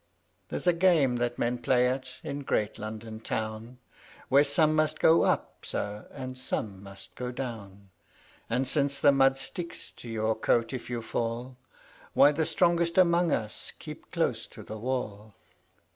There's a game that men play at in great London town; Whereby some must go up, sir, and some must go down : And, since the mud sticks to your coat if you fall, Why, the strongest among us keep close to the wall.